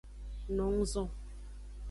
No nguzo.